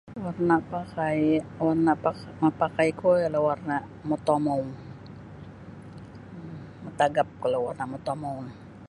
Warna apaka yang warna apaka mapakai kuo ialah warna motomou um matagap kalau warna motomou ni.